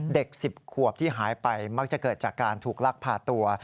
๑๐ขวบที่หายไปมักจะเกิดจากการถูกลักพาตัว